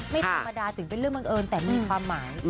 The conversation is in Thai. ไม่ธรรมดาถึงเป็นเรื่องบังเอิญแต่มีความหมาย